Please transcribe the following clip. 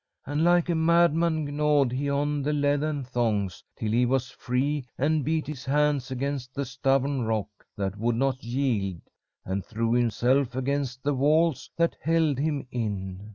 And like a madman gnawed he on the leathern thongs till he was free, and beat his hands against the stubborn rock that would not yield, and threw himself against the walls that held him in.